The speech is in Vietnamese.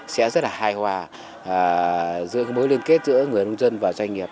sẽ rất là hài hòa giữa cái mối liên kết giữa người nông dân và doanh nghiệp